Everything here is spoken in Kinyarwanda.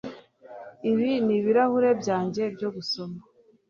Ibi ni ibirahuri byanjye byo gusoma